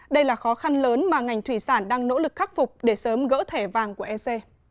đây là khó khăn lớn mà ngành thủy sản đang nỗ lực khắc phục để sớm gỡ thẻ vàng của ec